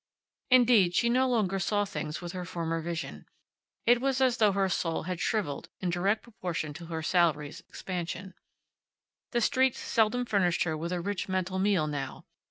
Indeed, she no longer saw things with her former vision. It was as though her soul had shriveled in direct proportion to her salary's expansion. The streets seldom furnished her with a rich mental meal now.